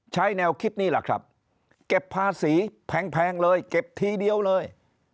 ใช้แนวคิดนี้แหละครับเก็บภาษีแพงเลยเก็บทีเดียวเลย